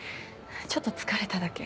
ちょっと疲れただけ。